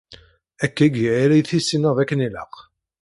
Akkagi ara iyi-tissineḍ akken i ilaq.